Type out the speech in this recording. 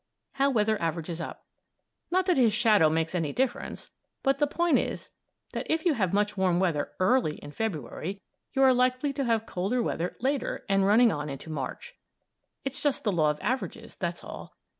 HOW WEATHER AVERAGES UP Not that his shadow makes any difference, but the point is that if you have much warm weather early in February you are likely to have colder weather later and running on into March. It's just the law of averages, that's all.